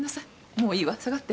もういいわ下がって。